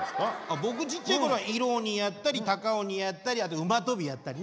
僕ちっちゃい頃は色鬼やったり高鬼やったりあと馬跳びやったりね。